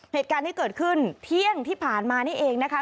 เหตุการณ์ที่เกิดขึ้นเที่ยงที่ผ่านมานี่เองนะคะ